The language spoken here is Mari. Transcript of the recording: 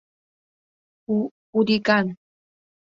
Ху-хулиган!